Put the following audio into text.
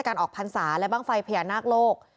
การออกพรรษาและบ้างไฟพญานาคโลก